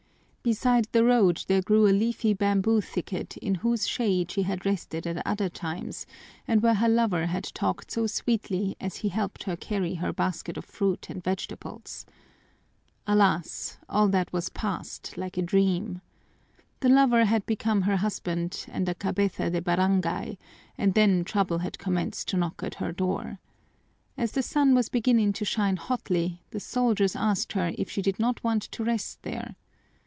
Beside the road there grew a leafy bamboo thicket in whose shade she had rested at other times, and where her lover had talked so sweetly as he helped her carry her basket of fruit and vegetables. Alas, all that was past, like a dream! The lover had become her husband and a cabeza de barangay, and then trouble had commenced to knock at her door. As the sun was beginning to shine hotly, the soldiers asked her if she did not want to rest there.